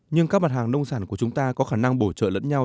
nhưng các mặt hàng nông sản của chúng ta có khả năng bổ trợ lẫn nhau